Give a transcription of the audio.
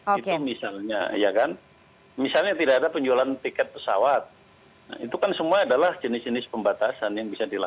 gitu misalnya ya kan misalnya tidak ada penjualan tiket pesawat itu kan semua adalah jenis jenis pembatasan yang bisa dilakukan